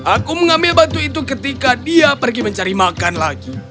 aku mengambil batu itu ketika dia pergi mencari makan lagi